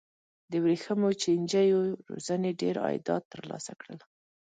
د ورېښمو چینجیو روزنې ډېر عایدات ترلاسه کړل.